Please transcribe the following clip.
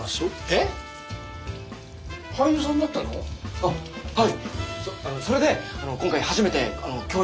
あっはい。